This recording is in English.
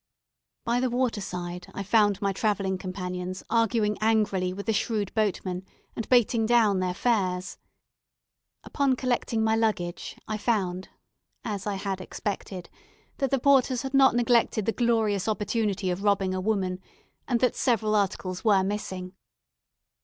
By the water side I found my travelling companions arguing angrily with the shrewd boatmen, and bating down their fares. Upon collecting my luggage, I found, as I had expected, that the porters had not neglected the glorious opportunity of robbing a woman, and that several articles were missing.